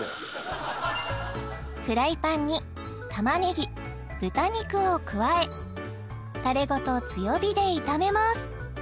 フライパンに玉ねぎ豚肉を加えタレごと強火で炒めます